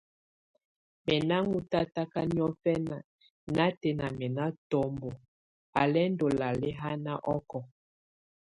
Mɛ́ ná ŋɔ́ tataka niɔ̀fǝnà natɛna mɛ́ ná tɔmbɔ á lɛ́ ndɔ́ lalɛ́haná ɔkɔɔ.